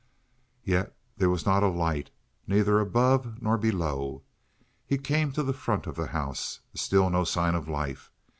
Yet there was not a light, neither above nor below. He came to the front of the house. Still no sign of life.